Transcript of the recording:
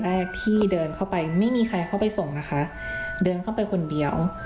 แรกที่เดินเข้าไปไม่มีใครเข้าไปส่งนะคะเดินเข้าไปคนเดียว